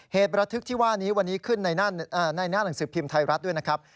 เหตุระทึกที่ว่านี้วันนี้ขึ้นในหน้าหนังสือพิมพ์ไทยรัฐด้วยนะครับ